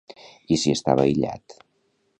I si estava aïllat?